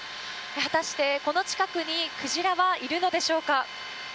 果たしてこの近くにクジラはいるのでしょうか。